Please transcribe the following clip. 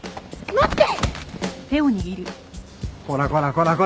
待って！